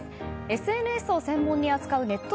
ＳＮＳを専門に扱うネット